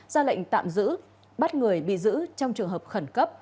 ra lệnh tạm giữ bắt người bị giữ trong trường hợp khẩn cấp